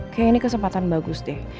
kayaknya ini kesempatan bagus deh